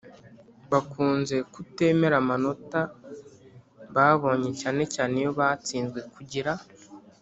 bakunze kutemera amanota babonye cyanecyane iyo batsinzwe Kugira